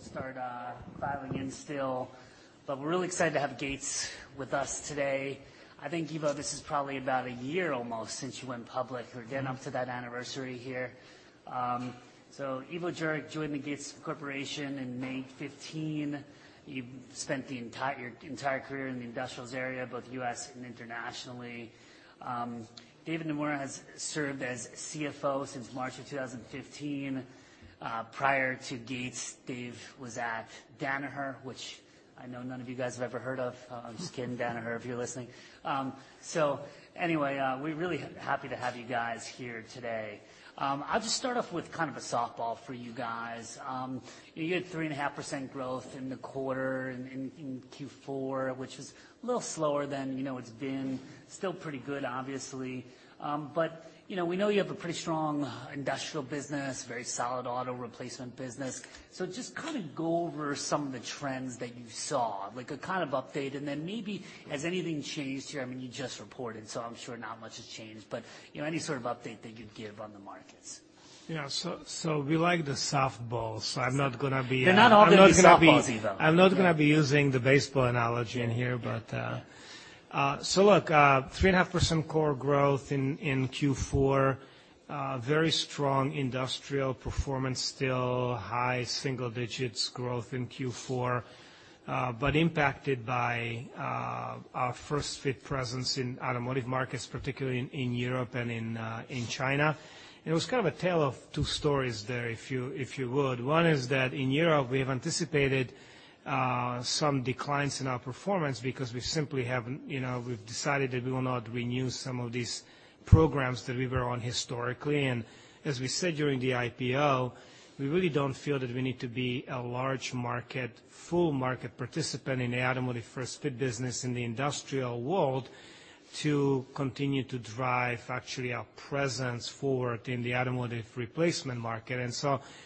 We'll start dialing in still, but we're really excited to have Gates with us today. I think, Ivo, this is probably about a year almost since you went public or down to that anniversary here. So Ivo Jurek joined the Gates Corporation in May 2015. You've spent your entire career in the industrials area, both U.S. and internationally. David Namura has served as CFO since March of 2015. Prior to Gates, Dave was at Danaher, which I know none of you guys have ever heard of. I'm just kidding, Danaher, if you're listening. Anyway, we're really happy to have you guys here today. I'll just start off with kind of a softball for you guys. You had 3.5% growth in the quarter in Q4, which was a little slower than it's been. Still pretty good, obviously. We know you have a pretty strong industrial business, very solid auto replacement business. Just kind of go over some of the trends that you saw, like a kind of update. I mean, you just reported, so I'm sure not much has changed. Any sort of update that you'd give on the markets? Yeah. We like the softball, so I'm not going to be. They're not all going to be softballs, Ivo. I'm not going to be using the baseball analogy in here, but look, 3.5% core growth in Q4, very strong industrial performance still, high single-digits growth in Q4, but impacted by our first-fit presence in automotive markets, particularly in Europe and in China. It was kind of a tale of two stories there, if you would. One is that in Europe, we have anticipated some declines in our performance because we simply have decided that we will not renew some of these programs that we were on historically. As we said during the IPO, we really don't feel that we need to be a large market, full market participant in the automotive first-fit business in the industrial world to continue to drive actually our presence forward in the automotive replacement market.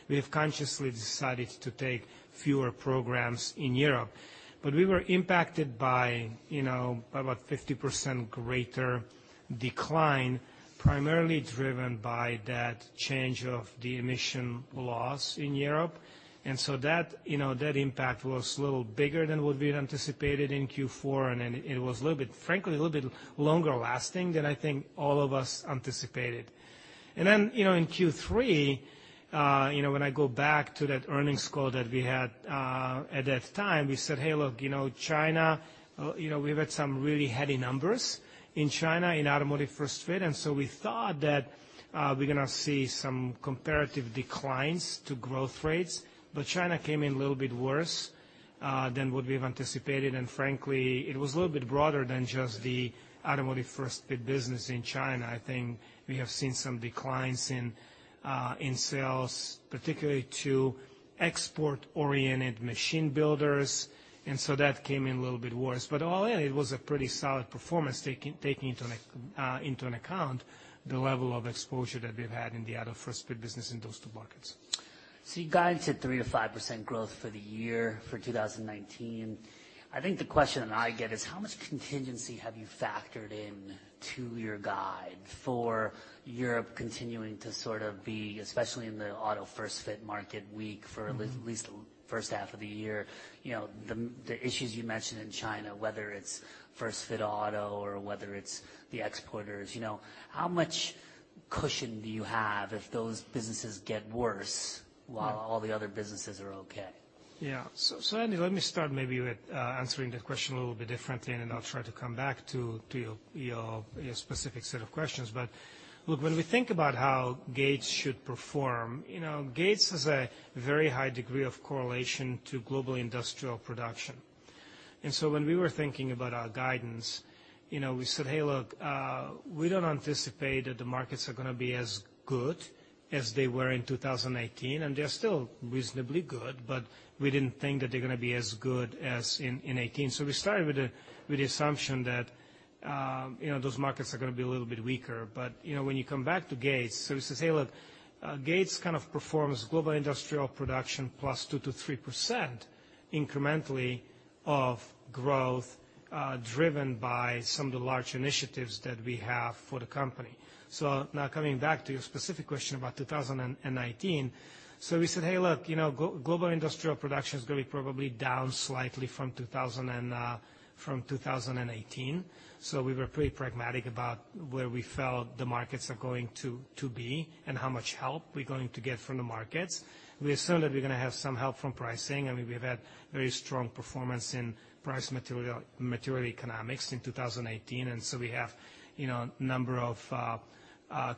We have consciously decided to take fewer programs in Europe. We were impacted by about 50% greater decline, primarily driven by that change of the emission laws in Europe. That impact was a little bigger than what we had anticipated in Q4, and it was a little bit, frankly, a little bit longer lasting than I think all of us anticipated. In Q3, when I go back to that earnings call that we had at that time, we said, "Hey, look, China, we've had some really heady numbers in China in automotive first-fit." We thought that we were going to see some comparative declines to growth rates, but China came in a little bit worse than what we had anticipated. Frankly, it was a little bit broader than just the automotive first-fit business in China. I think we have seen some declines in sales, particularly to export-oriented machine builders. That came in a little bit worse. All in, it was a pretty solid performance taking into account the level of exposure that we've had in the auto first-fit business in those two markets. You guided to 3-5% growth for the year for 2019. I think the question I get is, how much contingency have you factored into your guide for Europe continuing to sort of be, especially in the auto first-fit market, weak for at least the first half of the year? The issues you mentioned in China, whether it's first-fit auto or whether it's the exporters, how much cushion do you have if those businesses get worse while all the other businesses are okay? Yeah. Let me start maybe with answering the question a little bit differently, and then I'll try to come back to your specific set of questions. Look, when we think about how Gates should perform, Gates has a very high degree of correlation to global industrial production. When we were thinking about our guidance, we said, "Hey, look, we don't anticipate that the markets are going to be as good as they were in 2018," and they're still reasonably good, but we didn't think that they're going to be as good as in 2018. We started with the assumption that those markets are going to be a little bit weaker. When you come back to Gates, we say, "Hey, look, Gates kind of performs global industrial production plus 2-3% incrementally of growth driven by some of the large initiatives that we have for the company." Now coming back to your specific question about 2019, we said, "Hey, look, global industrial production is going to be probably down slightly from 2018." We were pretty pragmatic about where we felt the markets are going to be and how much help we're going to get from the markets. We assume that we're going to have some help from pricing. I mean, we've had very strong performance in price material economics in 2018. We have a number of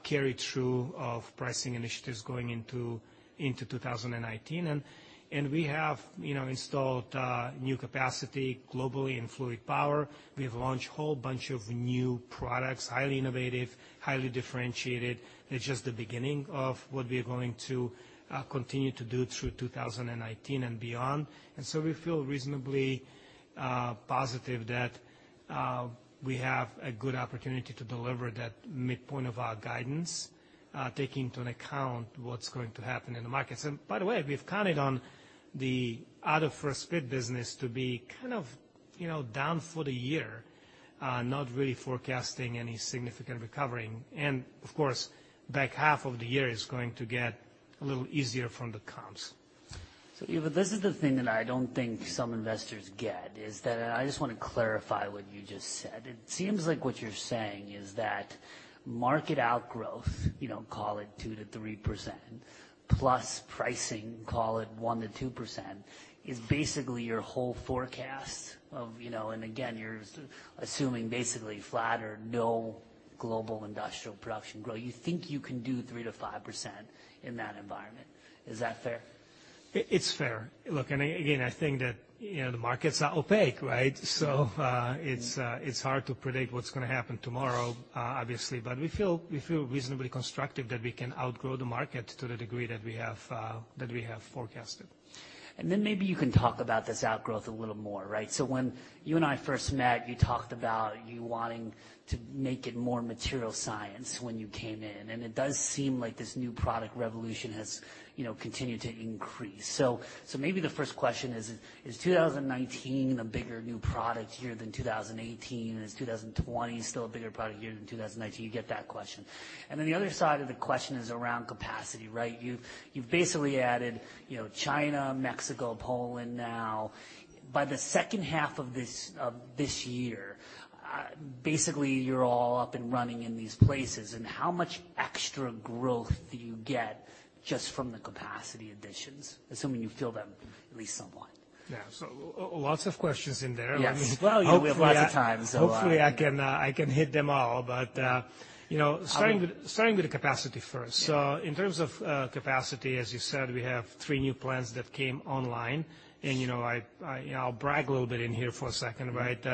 carry-through of pricing initiatives going into 2019. We have installed new capacity globally in fluid power. We've launched a whole bunch of new products, highly innovative, highly differentiated. They're just the beginning of what we are going to continue to do through 2019 and beyond. We feel reasonably positive that we have a good opportunity to deliver that midpoint of our guidance, taking into account what's going to happen in the markets. By the way, we've counted on the auto first-fit business to be kind of down for the year, not really forecasting any significant recovering. Of course, back half of the year is going to get a little easier from the comps. Ivo, this is the thing that I do not think some investors get, is that I just want to clarify what you just said. It seems like what you are saying is that market outgrowth, call it 2-3%, plus pricing, call it 1-2%, is basically your whole forecast of, and again, you are assuming basically flat or no global industrial production growth. You think you can do 3-5% in that environment. Is that fair? It's fair. Look, and again, I think that the markets are opaque, right? So it's hard to predict what's going to happen tomorrow, obviously, but we feel reasonably constructive that we can outgrow the market to the degree that we have forecasted. Maybe you can talk about this outgrowth a little more, right? When you and I first met, you talked about you wanting to make it more material science when you came in. It does seem like this new product revolution has continued to increase. Maybe the first question is, is 2019 a bigger new product year than 2018? Is 2020 still a bigger product year than 2019? You get that question. The other side of the question is around capacity, right? You have basically added China, Mexico, Poland now. By the second half of this year, basically, you are all up and running in these places. How much extra growth do you get just from the capacity additions, assuming you fill them at least somewhat? Yeah. Lots of questions in there. Yes. We have lots of time, so. Hopefully, I can hit them all, but starting with the capacity first. In terms of capacity, as you said, we have three new plants that came online. I'll brag a little bit in here for a second, right?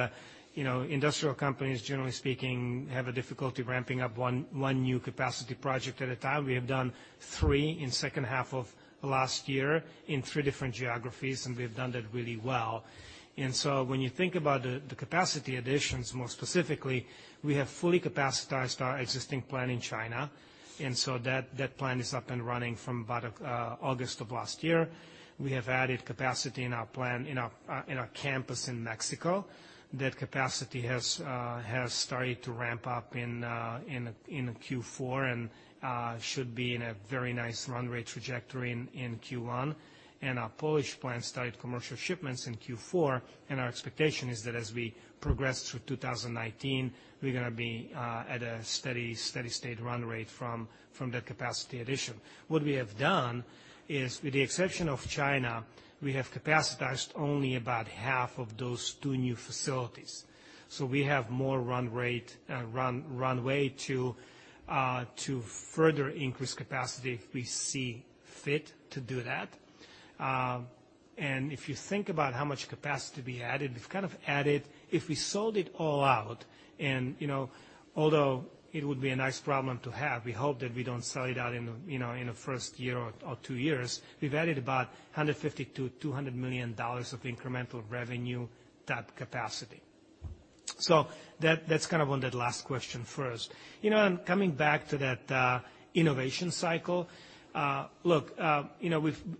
Industrial companies, generally speaking, have a difficulty ramping up one new capacity project at a time. We have done three in the second half of last year in three different geographies, and we've done that really well. When you think about the capacity additions, more specifically, we have fully capacitized our existing plant in China. That plant is up and running from about August of last year. We have added capacity in our plant in our campus in Mexico. That capacity has started to ramp up in Q4 and should be in a very nice runway trajectory in Q1. Our Polish plant started commercial shipments in Q4. Our expectation is that as we progress through 2019, we're going to be at a steady-state run rate from that capacity addition. What we have done is, with the exception of China, we have capacitized only about half of those two new facilities. We have more runway to further increase capacity if we see fit to do that. If you think about how much capacity we added, we've kind of added if we sold it all out, and although it would be a nice problem to have, we hope that we don't sell it out in the first year or two years, we've added about $150-$200 million of incremental revenue-type capacity. That's kind of on that last question first. Coming back to that innovation cycle, look,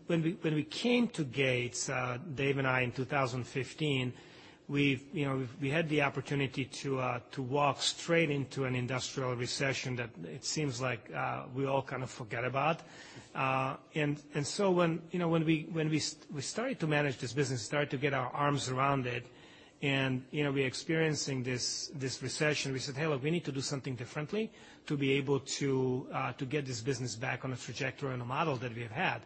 when we came to Gates, Dave and I in 2015, we had the opportunity to walk straight into an industrial recession that it seems like we all kind of forget about. When we started to manage this business, started to get our arms around it, and we're experiencing this recession, we said, "Hey, look, we need to do something differently to be able to get this business back on a trajectory and a model that we have had."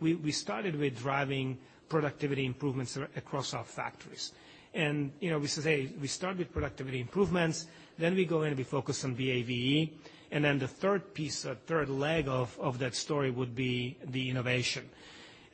We started with driving productivity improvements across our factories. We said, "Hey, we start with productivity improvements. Then we go in and we focus on VAVE." The third piece, the third leg of that story would be the innovation.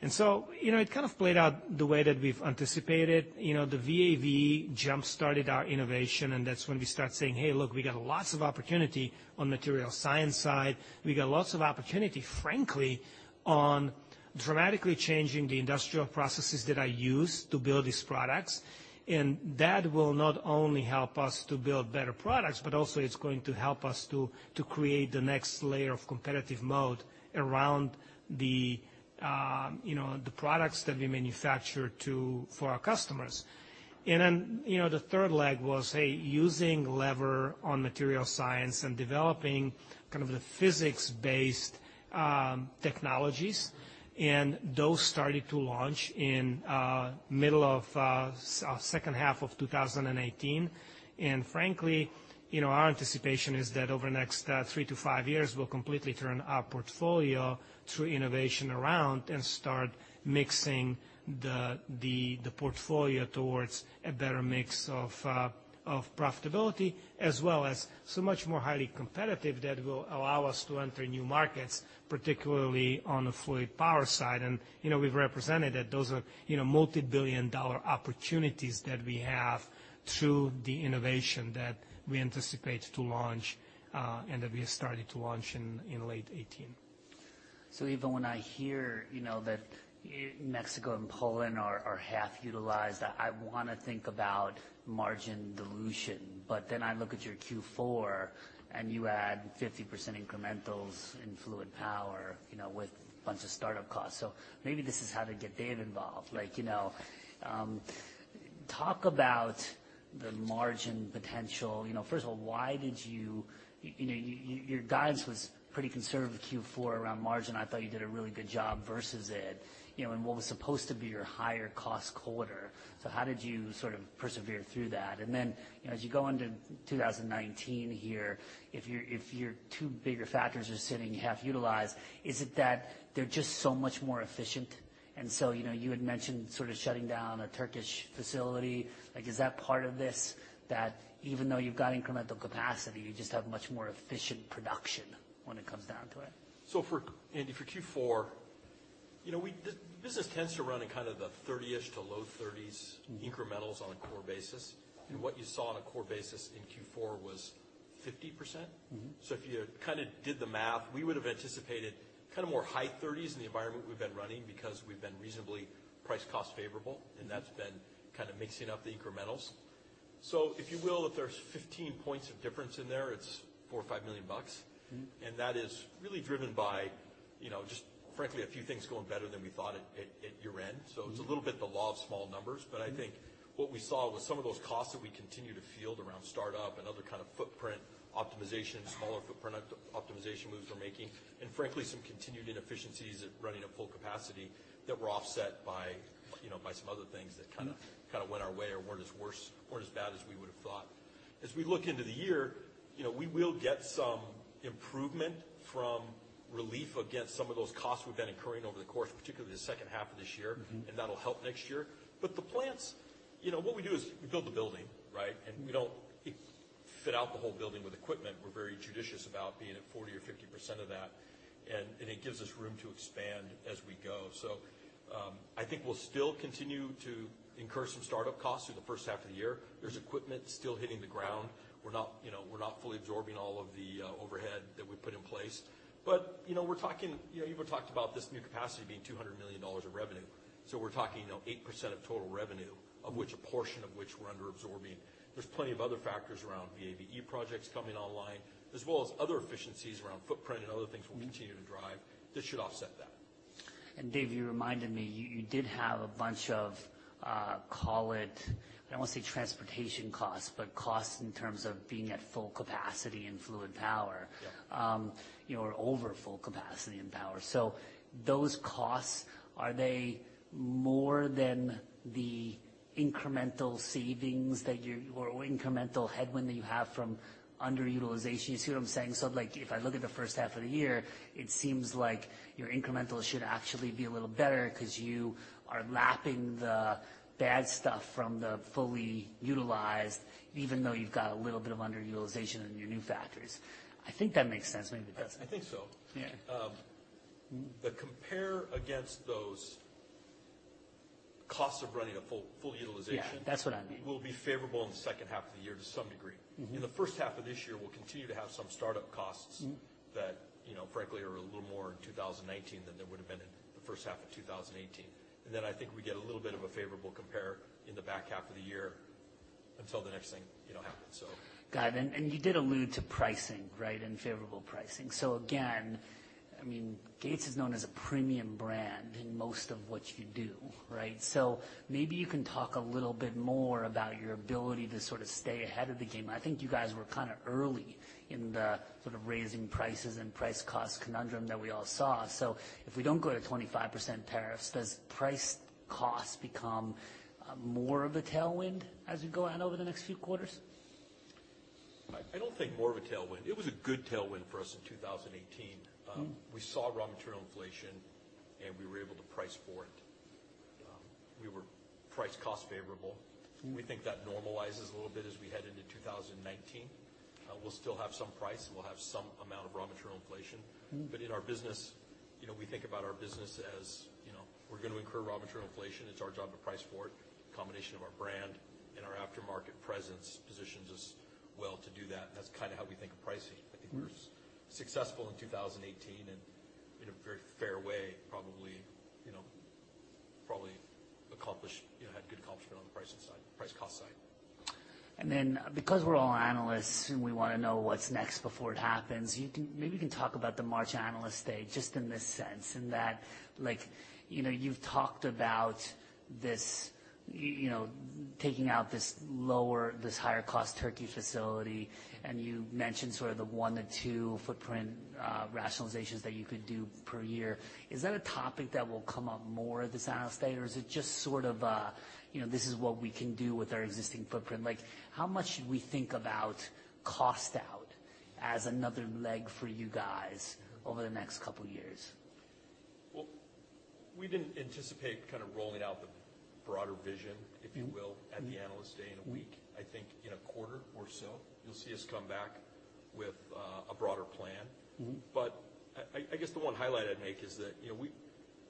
It kind of played out the way that we've anticipated. The VAVE jump-started our innovation, and that's when we started saying, "Hey, look, we got lots of opportunity on the material science side. We got lots of opportunity, frankly, on dramatically changing the industrial processes that are used to build these products. That will not only help us to build better products, but also it's going to help us to create the next layer of competitive mode around the products that we manufacture for our customers." The third leg was, "Hey, using lever on material science and developing kind of the physics-based technologies." Those started to launch in the middle of the second half of 2018. Frankly, our anticipation is that over the next three to five years, we'll completely turn our portfolio through innovation around and start mixing the portfolio towards a better mix of profitability as well as so much more highly competitive that will allow us to enter new markets, particularly on the fluid power side. We've represented that those are multi-billion dollar opportunities that we have through the innovation that we anticipate to launch and that we have started to launch in late 2018. Ivo, when I hear that Mexico and Poland are half utilized, I want to think about margin dilution. Then I look at your Q4, and you add 50% incrementals in fluid power with a bunch of startup costs. Maybe this is how to get Dave involved. Talk about the margin potential. First of all, why did you—your guidance was pretty conservative Q4 around margin. I thought you did a really good job versus it. What was supposed to be your higher cost quarter? How did you sort of persevere through that? As you go into 2019 here, if your two bigger factors are sitting half utilized, is it that they're just so much more efficient? You had mentioned sort of shutting down a Turkish facility. Is that part of this, that even though you've got incremental capacity, you just have much more efficient production when it comes down to it? For Q4, the business tends to run in kind of the 30-ish to low 30s incrementals on a core basis. What you saw on a core basis in Q4 was 50%. If you kind of did the math, we would have anticipated kind of more high 30s in the environment we've been running because we've been reasonably price-cost favorable, and that's been kind of mixing up the incrementals. If you will, if there's 15 points of difference in there, it's $4 million-$5 million. That is really driven by just, frankly, a few things going better than we thought at year-end. It's a little bit the law of small numbers. I think what we saw was some of those costs that we continue to field around startup and other kind of footprint optimization, smaller footprint optimization moves we're making, and frankly, some continued inefficiencies at running at full capacity that were offset by some other things that kind of went our way or were not as bad as we would have thought. As we look into the year, we will get some improvement from relief against some of those costs we have been incurring over the course, particularly the second half of this year, and that will help next year. The plants, what we do is we build the building, right? We do not fit out the whole building with equipment. We are very judicious about being at 40% or 50% of that. It gives us room to expand as we go. I think we'll still continue to incur some startup costs through the first half of the year. There's equipment still hitting the ground. We're not fully absorbing all of the overhead that we put in place. You've talked about this new capacity being $200 million of revenue. We're talking 8% of total revenue, a portion of which we're under-absorbing. There are plenty of other factors around VAVE projects coming online, as well as other efficiencies around footprint and other things we'll continue to drive that should offset that. Dave, you reminded me you did have a bunch of, call it, I don't want to say transportation costs, but costs in terms of being at full capacity in fluid power or over full capacity in power. Those costs, are they more than the incremental savings that you or incremental headwind that you have from under-utilization? You see what I'm saying? If I look at the first half of the year, it seems like your incrementals should actually be a little better because you are lapping the bad stuff from the fully utilized, even though you've got a little bit of under-utilization in your new factories. I think that makes sense. Maybe it doesn't. I think so. They compare against those costs of running at full utilization. Yeah, that's what I mean. Will be favorable in the second half of the year to some degree. In the first half of this year, we'll continue to have some startup costs that, frankly, are a little more in 2019 than there would have been in the first half of 2018. I think we get a little bit of a favorable compare in the back half of the year until the next thing happens, so. Got it. You did allude to pricing, right, and favorable pricing. I mean, Gates is known as a premium brand in most of what you do, right? Maybe you can talk a little bit more about your ability to sort of stay ahead of the game. I think you guys were kind of early in the sort of raising prices and price cost conundrum that we all saw. If we do not go to 25% tariffs, does price cost become more of a tailwind as we go on over the next few quarters? I do not think more of a tailwind. It was a good tailwind for us in 2018. We saw raw material inflation, and we were able to price for it. We were price-cost favorable. We think that normalizes a little bit as we head into 2019. We will still have some price. We will have some amount of raw material inflation. In our business, we think about our business as we are going to incur raw material inflation. It is our job to price for it. The combination of our brand and our aftermarket presence positions us well to do that. That is kind of how we think of pricing. I think we were successful in 2018 in a very fair way, probably accomplished, had good accomplishment on the price cost side. Because we're all analysts and we want to know what's next before it happens, maybe you can talk about the March Analyst Day just in this sense in that you've talked about taking out this higher cost Turkey facility, and you mentioned sort of the one to two footprint rationalizations that you could do per year. Is that a topic that will come up more at this analyst day, or is it just sort of this is what we can do with our existing footprint? How much should we think about cost out as another leg for you guys over the next couple of years? We did not anticipate kind of rolling out the broader vision, if you will, at the analyst day in a week. I think in a quarter or so, you will see us come back with a broader plan. I guess the one highlight I would make is that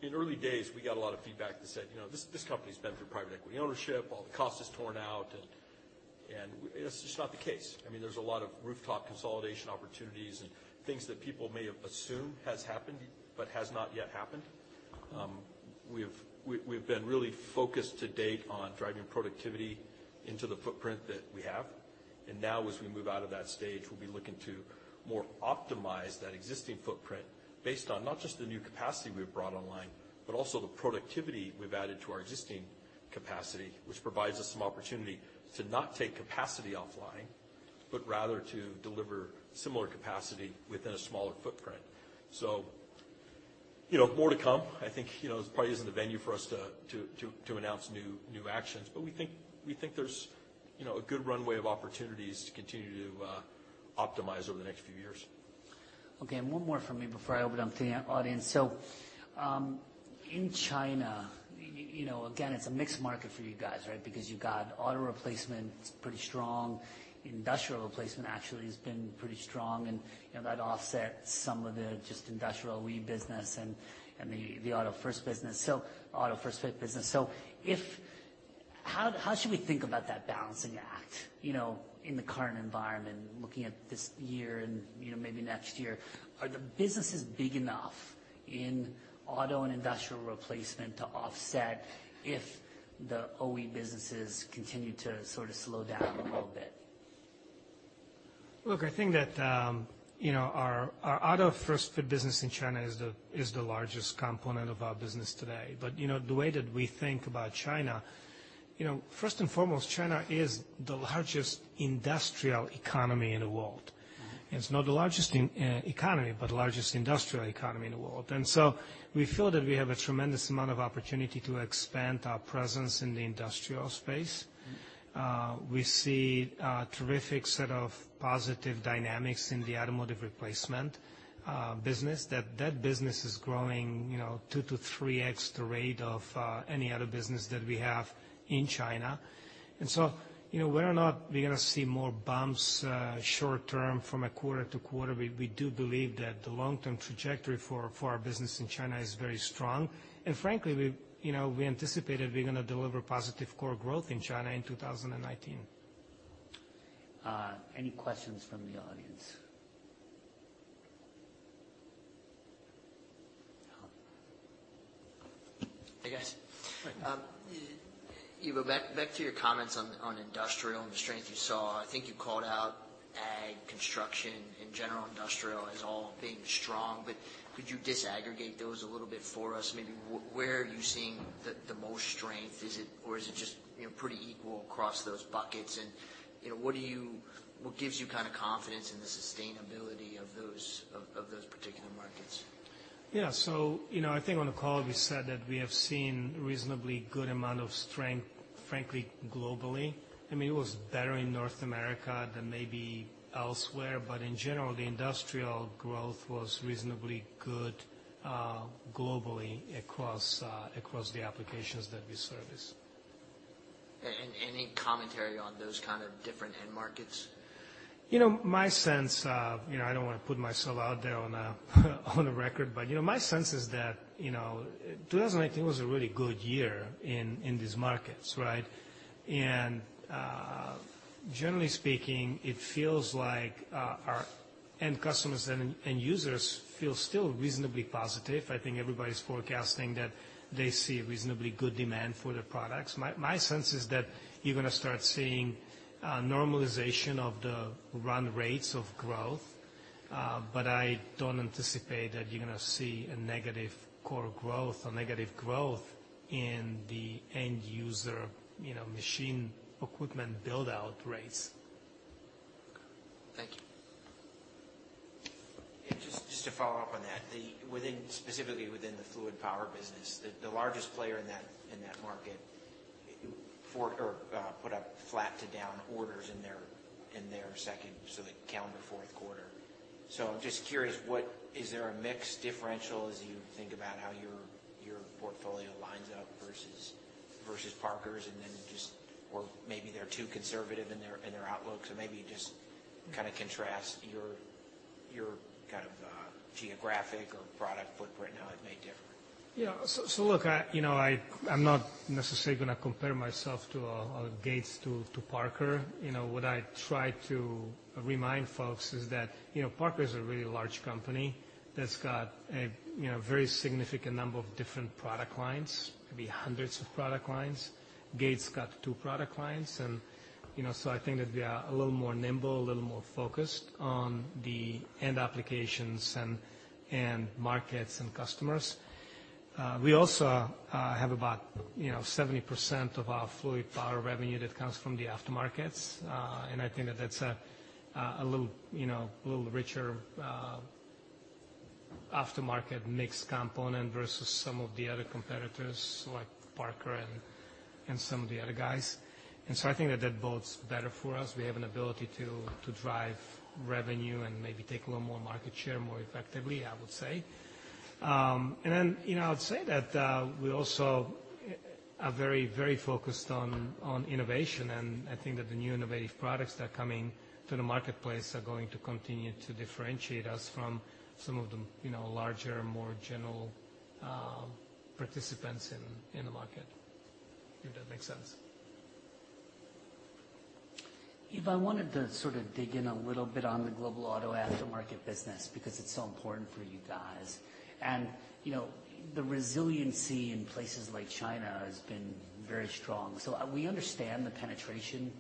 in early days, we got a lot of feedback that said, "This company's been through private equity ownership. All the cost is torn out." That is just not the case. I mean, there is a lot of rooftop consolidation opportunities and things that people may have assumed have happened but have not yet happened. We have been really focused to date on driving productivity into the footprint that we have. As we move out of that stage, we'll be looking to more optimize that existing footprint based on not just the new capacity we've brought online, but also the productivity we've added to our existing capacity, which provides us some opportunity to not take capacity offline, but rather to deliver similar capacity within a smaller footprint. More to come. I think it probably isn't a venue for us to announce new actions, but we think there's a good runway of opportunities to continue to optimize over the next few years. Okay. One more from me before I open it up to the audience. In China, again, it's a mixed market for you guys, right, because you've got auto replacement, pretty strong. Industrial replacement actually has been pretty strong, and that offsets some of the just industrial weed business and the auto first business, so auto first business. How should we think about that balancing act in the current environment, looking at this year and maybe next year? Are the businesses big enough in auto and industrial replacement to offset if the OE businesses continue to sort of slow down a little bit? Look, I think that our auto first business in China is the largest component of our business today. The way that we think about China, first and foremost, China is the largest industrial economy in the world. It's not the largest economy, but the largest industrial economy in the world. We feel that we have a tremendous amount of opportunity to expand our presence in the industrial space. We see a terrific set of positive dynamics in the automotive replacement business. That business is growing two to three X the rate of any other business that we have in China. Whether or not we're going to see more bumps short term from a quarter to quarter, we do believe that the long-term trajectory for our business in China is very strong. Frankly, we anticipated we're going to deliver positive core growth in China in 2019. Any questions from the audience? I guess, Ivo, back to your comments on industrial and the strength you saw. I think you called out ag, construction, and general industrial as all being strong. Could you disaggregate those a little bit for us? Maybe where are you seeing the most strength? Is it just pretty equal across those buckets? What gives you kind of confidence in the sustainability of those particular markets? Yeah. I think on the call, we said that we have seen a reasonably good amount of strength, frankly, globally. I mean, it was better in North America than maybe elsewhere. In general, the industrial growth was reasonably good globally across the applications that we service. have any commentary on those kind of different end markets? My sense, I don't want to put myself out there on the record, but my sense is that 2019 was a really good year in these markets, right? Generally speaking, it feels like our end customers and users feel still reasonably positive. I think everybody's forecasting that they see reasonably good demand for their products. My sense is that you're going to start seeing normalization of the run rates of growth. I don't anticipate that you're going to see a negative core growth or negative growth in the end user machine equipment build-out rates. Thank you. Just to follow up on that, specifically within the fluid power business, the largest player in that market put up flat to down orders in their second, so the calendar fourth quarter. I'm just curious, is there a mixed differential as you think about how your portfolio lines up versus Parkers? Maybe they're too conservative in their outlook. Maybe just kind of contrast your kind of geographic or product footprint and how it may differ. Yeah. Look, I'm not necessarily going to compare myself to Gates to Parker. What I try to remind folks is that Parker is a really large company that's got a very significant number of different product lines, maybe hundreds of product lines. Gates has got two product lines. I think that we are a little more nimble, a little more focused on the end applications and markets and customers. We also have about 70% of our fluid power revenue that comes from the aftermarket. I think that that's a little richer aftermarket mix component versus some of the other competitors like Parker and some of the other guys. I think that that bodes better for us. We have an ability to drive revenue and maybe take a little more market share more effectively, I would say. I would say that we also are very, very focused on innovation. I think that the new innovative products that are coming to the marketplace are going to continue to differentiate us from some of the larger, more general participants in the market, if that makes sense. Ivo, I wanted to sort of dig in a little bit on the global auto aftermarket business because it's so important for you guys. The resiliency in places like China has been very strong. We understand the penetration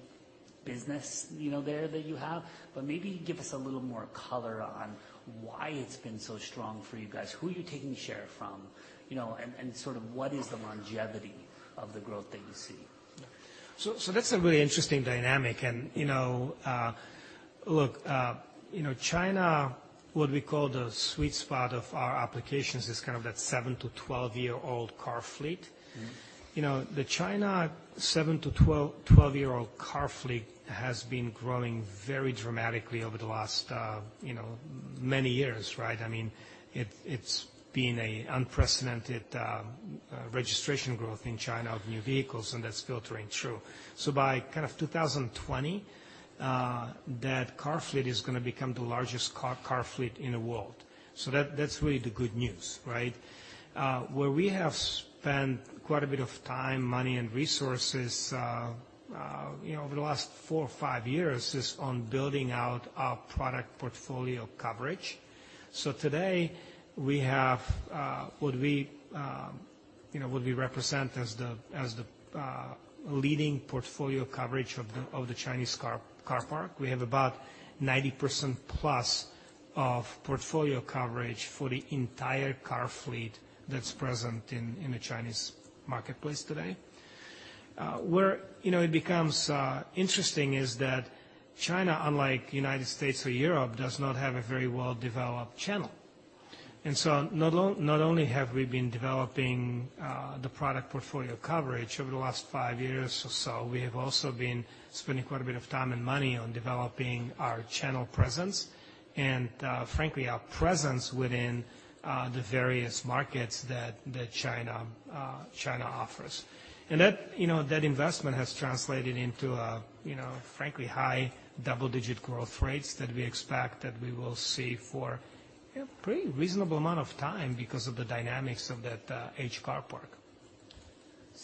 business there that you have, but maybe give us a little more color on why it's been so strong for you guys, who you're taking share from, and sort of what is the longevity of the growth that you see? That's a really interesting dynamic. Look, China, what we call the sweet spot of our applications, is kind of that 7-12-year-old car fleet. The China 7-12-year-old car fleet has been growing very dramatically over the last many years, right? I mean, it's been an unprecedented registration growth in China of new vehicles, and that's filtering through. By kind of 2020, that car fleet is going to become the largest car fleet in the world. That's really the good news, right? Where we have spent quite a bit of time, money, and resources over the last four or five years is on building out our product portfolio coverage. Today, we have what we represent as the leading portfolio coverage of the Chinese car park. We have about 90% plus of portfolio coverage for the entire car fleet that's present in the Chinese marketplace today. Where it becomes interesting is that China, unlike the U.S. or Europe, does not have a very well-developed channel. Not only have we been developing the product portfolio coverage over the last five years or so, we have also been spending quite a bit of time and money on developing our channel presence and, frankly, our presence within the various markets that China offers. That investment has translated into, frankly, high double-digit growth rates that we expect that we will see for a pretty reasonable amount of time because of the dynamics of that car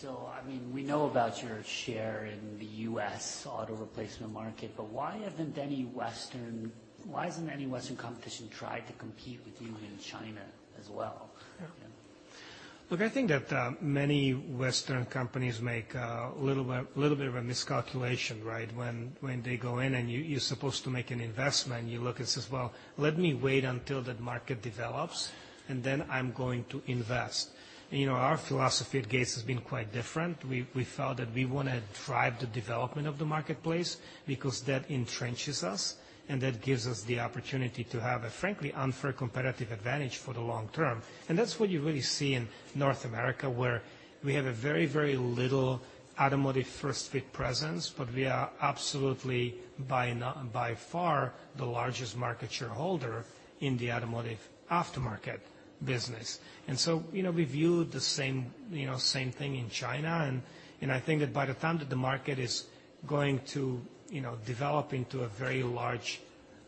park. I mean, we know about your share in the U.S. auto replacement market, but why hasn't any Western competition tried to compete with you in China as well? Look, I think that many Western companies make a little bit of a miscalculation, right? When they go in and you're supposed to make an investment, you look and say, "Well, let me wait until that market develops, and then I'm going to invest." Our philosophy at Gates has been quite different. We felt that we want to drive the development of the marketplace because that entrenches us, and that gives us the opportunity to have a, frankly, unfair competitive advantage for the long term. That is what you really see in North America, where we have a very, very little automotive first-fit presence, but we are absolutely, by far, the largest market shareholder in the automotive aftermarket business. We view the same thing in China. I think that by the time that the market is going to develop into very large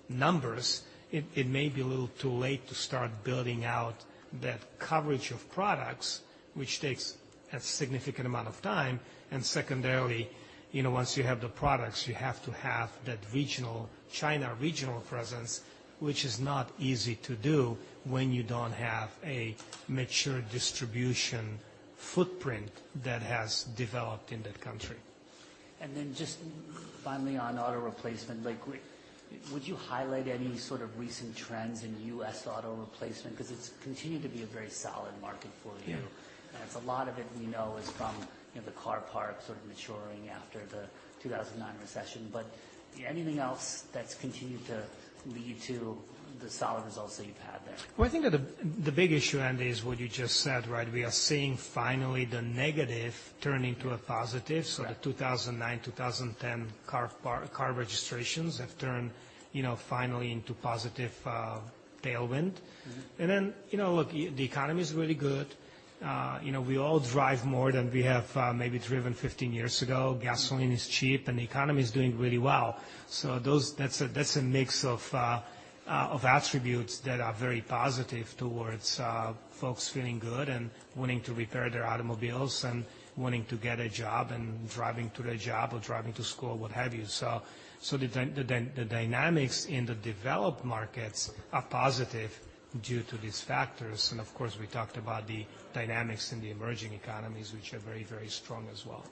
numbers, it may be a little too late to start building out that coverage of products, which takes a significant amount of time. Secondarily, once you have the products, you have to have that China regional presence, which is not easy to do when you do not have a mature distribution footprint that has developed in that country. Just finally on auto replacement, would you highlight any sort of recent trends in U.S. auto replacement? Because it's continued to be a very solid market for you. And it's a lot of it we know is from the car park sort of maturing after the 2009 recession. Anything else that's continued to lead to the solid results that you've had there? I think the big issue is what you just said, right? We are seeing finally the negative turning to a positive. The 2009, 2010 car registrations have turned finally into positive tailwind. Look, the economy is really good. We all drive more than we have maybe driven 15 years ago. Gasoline is cheap, and the economy is doing really well. That is a mix of attributes that are very positive towards folks feeling good and wanting to repair their automobiles and wanting to get a job and driving to their job or driving to school, what have you. The dynamics in the developed markets are positive due to these factors. Of course, we talked about the dynamics in the emerging economies, which are very, very strong as well.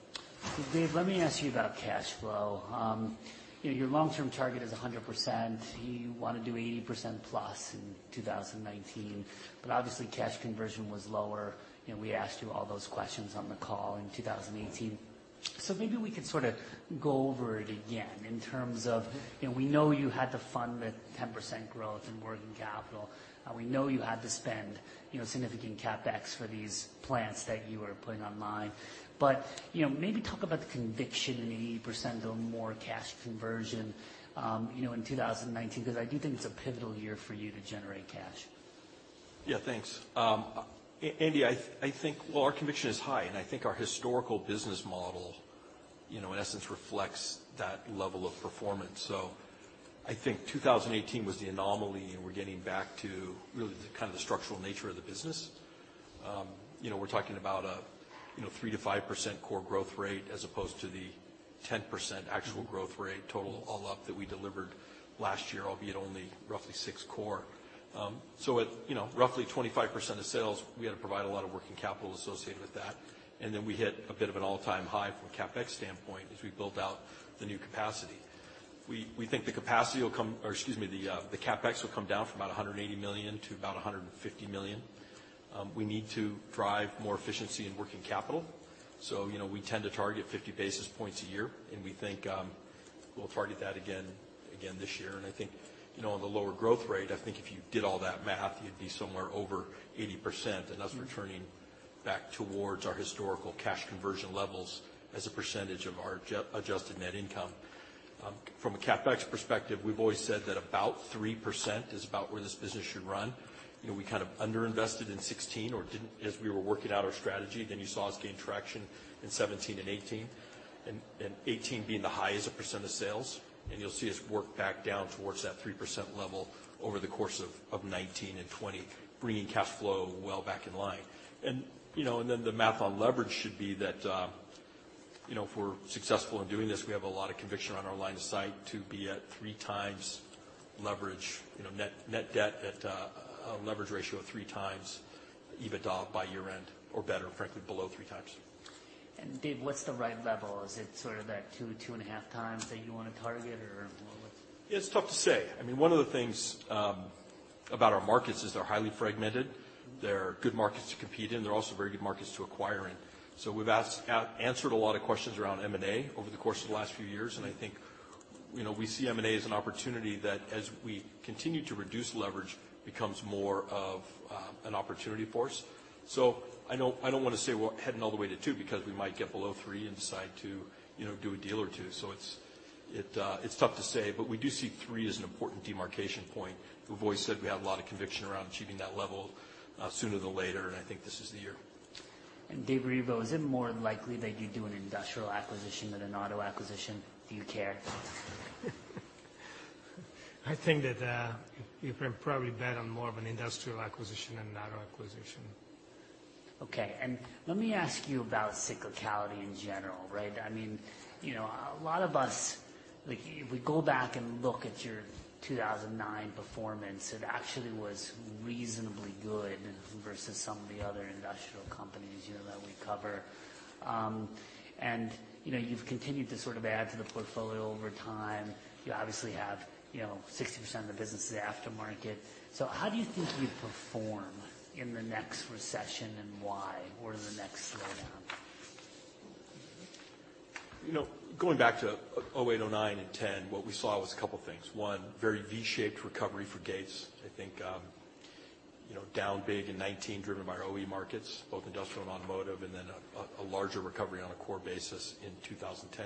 Dave, let me ask you about cash flow. Your long-term target is 100%. You want to do 80% plus in 2019. Obviously, cash conversion was lower. We asked you all those questions on the call in 2018. Maybe we could sort of go over it again in terms of we know you had to fund the 10% growth in working capital. We know you had to spend significant CapEx for these plants that you were putting online. Maybe talk about the conviction in 80% or more cash conversion in 2019, because I do think it's a pivotal year for you to generate cash. Yeah, thanks. Andy, I think our conviction is high. I think our historical business model, in essence, reflects that level of performance. I think 2018 was the anomaly, and we're getting back to really kind of the structural nature of the business. We're talking about a 3%-5% core growth rate as opposed to the 10% actual growth rate total all up that we delivered last year, albeit only roughly 6% core. At roughly 25% of sales, we had to provide a lot of working capital associated with that. We hit a bit of an all-time high from a CapEx standpoint as we built out the new capacity. We think the capacity will come or, excuse me, the CapEx will come down from about $180 million to about $150 million. We need to drive more efficiency in working capital. We tend to target 50 basis points a year. We think we'll target that again this year. I think on the lower growth rate, I think if you did all that math, you'd be somewhere over 80%. That's returning back towards our historical cash conversion levels as a percentage of our adjusted net income. From a CapEx perspective, we've always said that about 3% is about where this business should run. We kind of underinvested in 2016 or did not as we were working out our strategy. You saw us gain traction in 2017 and 2018, and 2018 being the highest percent of sales. You'll see us work back down towards that 3% level over the course of 2019 and 2020, bringing cash flow well back in line. The math on leverage should be that if we're successful in doing this, we have a lot of conviction on our line of sight to be at three times leverage net debt at a leverage ratio of three times EBITDA by year-end or better, frankly, below three times. Dave, what's the right level? Is it sort of that two, two and a half times that you want to target, or what? Yeah, it's tough to say. I mean, one of the things about our markets is they're highly fragmented. They're good markets to compete in. They're also very good markets to acquire in. We have answered a lot of questions around M&A over the course of the last few years. I think we see M&A as an opportunity that, as we continue to reduce leverage, becomes more of an opportunity for us. I do not want to say we're heading all the way to two because we might get below three and decide to do a deal or two. It's tough to say. We do see three as an important demarcation point. We have always said we had a lot of conviction around achieving that level sooner than later. I think this is the year. Dave Rivo, is it more likely that you do an industrial acquisition than an auto acquisition? Do you care? I think that you can probably bet on more of an industrial acquisition than an auto acquisition. Okay. Let me ask you about cyclicality in general, right? I mean, a lot of us, if we go back and look at your 2009 performance, it actually was reasonably good versus some of the other industrial companies that we cover. You have continued to sort of add to the portfolio over time. You obviously have 60% of the business is aftermarket. How do you think you perform in the next recession and why? Where does the next slowdown? Going back to 2008, 2009, and 2010, what we saw was a couple of things. One, very V-shaped recovery for Gates. I think down big in 2009, driven by our OE markets, both industrial and automotive, and then a larger recovery on a core basis in 2010.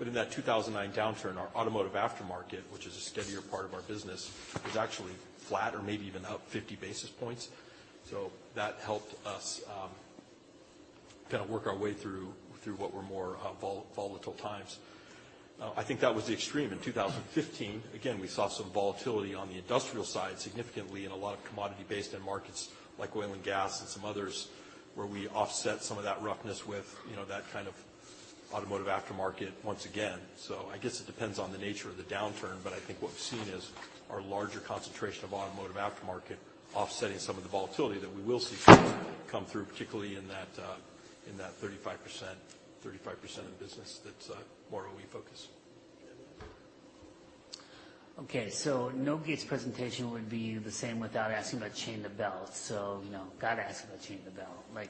In that 2009 downturn, our automotive aftermarket, which is a steadier part of our business, was actually flat or maybe even up 50 basis points. That helped us kind of work our way through what were more volatile times. I think that was the extreme. In 2015, again, we saw some volatility on the industrial side significantly in a lot of commodity-based markets like oil and gas and some others, where we offset some of that roughness with that kind of automotive aftermarket once again. I guess it depends on the nature of the downturn. I think what we've seen is our larger concentration of automotive aftermarket offsetting some of the volatility that we will see come through, particularly in that 35% of the business that's more OE focus. Okay. No Gates presentation would be the same without asking about chain to belt. Got to ask about chain to belt.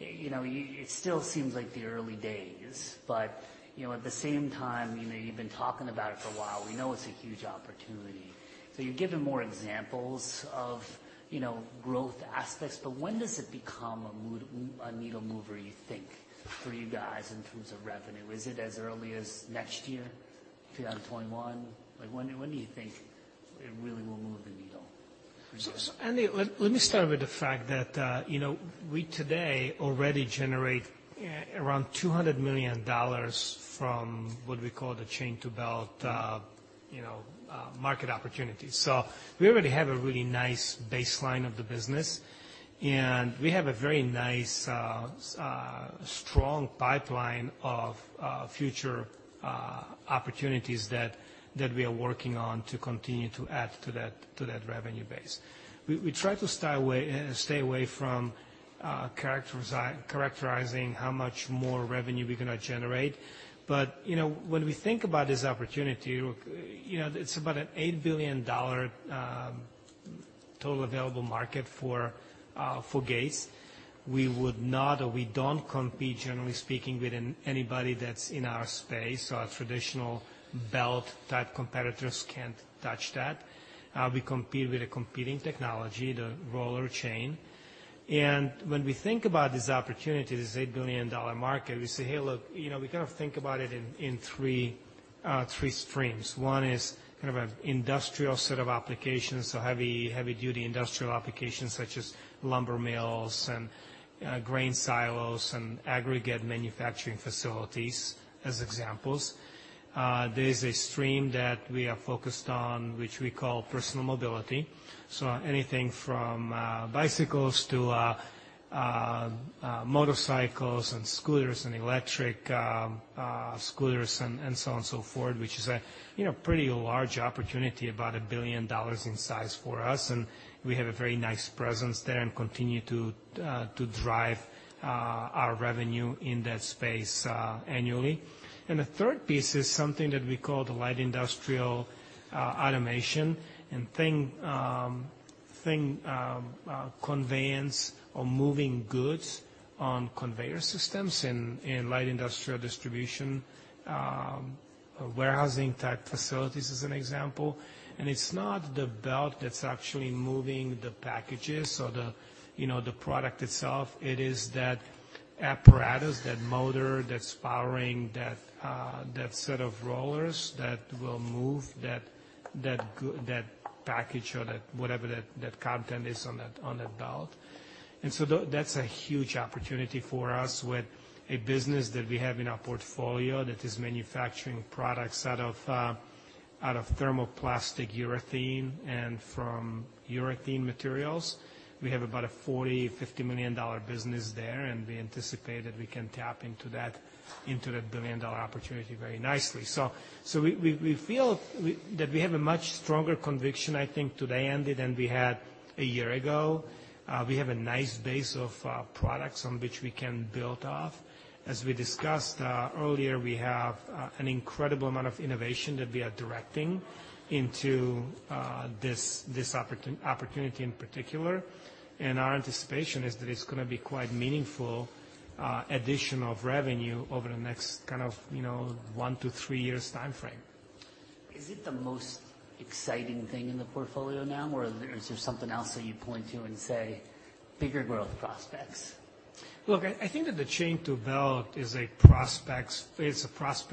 It still seems like the early days. At the same time, you've been talking about it for a while. We know it's a huge opportunity. You've given more examples of growth aspects. When does it become a needle mover, you think, for you guys in terms of revenue? Is it as early as next year, 2021? When do you think it really will move the needle? Andy, let me start with the fact that we today already generate around $200 million from what we call the chain to belt market opportunity. We already have a really nice baseline of the business. We have a very nice, strong pipeline of future opportunities that we are working on to continue to add to that revenue base. We try to stay away from characterizing how much more revenue we're going to generate. When we think about this opportunity, it's about an $8 billion total available market for Gates. We would not or we don't compete, generally speaking, with anybody that's in our space. Our traditional belt-type competitors can't touch that. We compete with a competing technology, the roller chain. When we think about this opportunity, this $8 billion market, we say, "Hey, look, we kind of think about it in three streams." One is kind of an industrial set of applications, so heavy-duty industrial applications such as lumber mills and grain silos and aggregate manufacturing facilities as examples. There is a stream that we are focused on, which we call personal mobility. Anything from bicycles to motorcycles and scooters and electric scooters and so on and so forth, which is a pretty large opportunity, about $1 billion in size for us. We have a very nice presence there and continue to drive our revenue in that space annually. The third piece is something that we call the light industrial automation and thing conveyance or moving goods on conveyor systems in light industrial distribution, warehousing-type facilities as an example. It is not the belt that is actually moving the packages or the product itself. It is that apparatus, that motor that is powering that set of rollers that will move that package or whatever that content is on that belt. That is a huge opportunity for us with a business that we have in our portfolio that is manufacturing products out of thermoplastic urethane and from urethane materials. We have about a $40 million-$50 million business there. We anticipate that we can tap into that billion-dollar opportunity very nicely. We feel that we have a much stronger conviction, I think, today, Andy, than we had a year ago. We have a nice base of products on which we can build off. As we discussed earlier, we have an incredible amount of innovation that we are directing into this opportunity in particular. Our anticipation is that it's going to be quite meaningful addition of revenue over the next kind of one to three years' time frame. Is it the most exciting thing in the portfolio now, or is there something else that you point to and say, "Bigger growth prospects? Look, I think that the chain to belt is a prospect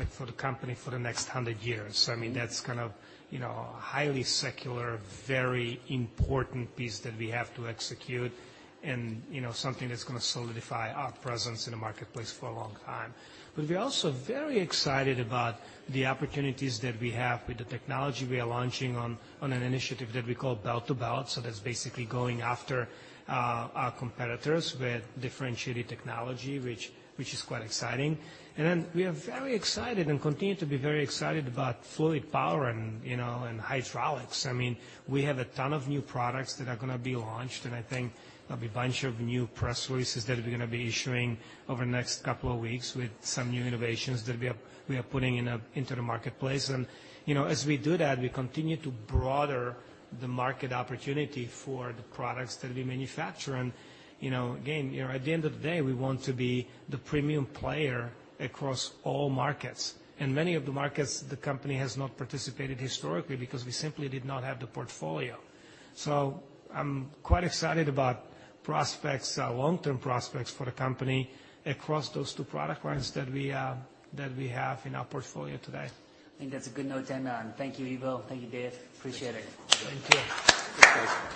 for the company for the next 100 years. I mean, that's kind of a highly secular, very important piece that we have to execute and something that's going to solidify our presence in the marketplace for a long time. We are also very excited about the opportunities that we have with the technology we are launching on an initiative that we call belt to belt. That's basically going after our competitors with differentiated technology, which is quite exciting. We are very excited and continue to be very excited about fluid power and hydraulics. I mean, we have a ton of new products that are going to be launched. I think there'll be a bunch of new press releases that we're going to be issuing over the next couple of weeks with some new innovations that we are putting into the marketplace. As we do that, we continue to broaden the market opportunity for the products that we manufacture. Again, at the end of the day, we want to be the premium player across all markets. Many of the markets the company has not participated historically because we simply did not have the portfolio. I'm quite excited about prospects, long-term prospects for the company across those two product lines that we have in our portfolio today. I think that's a good note, Daniel. Thank you, Ivo. Thank you, Dave. Appreciate it. Thank you.